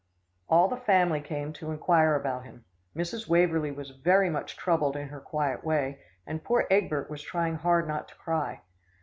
All the family came to enquire about him. Mrs. Waverlee was very much troubled in her quiet way, and poor Egbert was trying hard not to cry.